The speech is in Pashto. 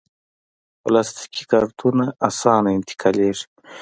پلاستيکي کارتنونه اسانه انتقالېږي.